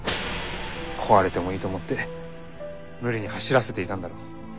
壊れてもいいと思って無理に走らせていたんだろ。